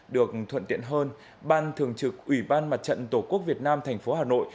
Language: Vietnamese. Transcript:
được thuận tiện hơn ban thường trực ủy ban mặt trận tổ quốc việt nam tp hà nội